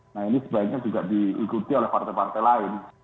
nah ini sebaiknya juga diikuti oleh partai partai lain